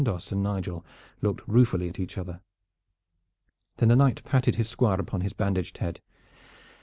Chandos and Nigel looked ruefully at each other. Then the knight patted his Squire upon his bandaged head.